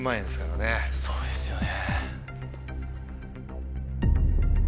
そうですよね。